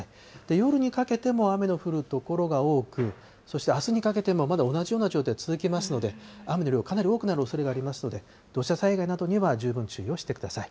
夜にかけても雨の降る所が多く、そしてあすにかけても、まだ同じような状態続きますので、雨の量、かなり多くなるおそれがありますので、土砂災害などには十分注意をしてください。